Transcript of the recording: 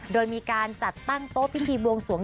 โดยมีการจัดตั้งโต๊ะพิธีบวงสวง